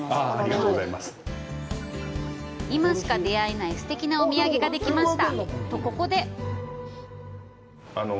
今しか出会えないすてきなお土産ができました！